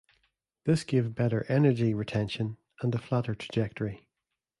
This gave better energy retention and a flatter trajectory.